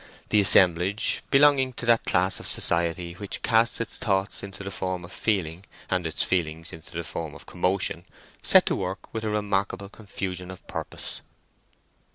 The assemblage—belonging to that class of society which casts its thoughts into the form of feeling, and its feelings into the form of commotion—set to work with a remarkable confusion of purpose.